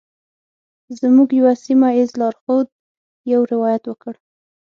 زموږ یوه سیمه ایز لارښود یو روایت وکړ.